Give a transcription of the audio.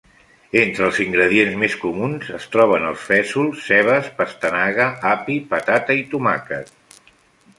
Entre els ingredients més comuns es troben els fesols, cebes, pastanaga, api, patata i tomàquet.